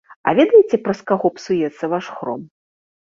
А ведаеце, праз каго псуецца ваш хром?